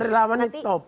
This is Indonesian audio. relawan ini top